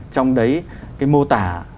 trong đấy cái mô tả